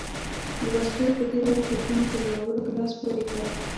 د وسلو په تېره توپونو په جوړولو یې لاس پورې کړ.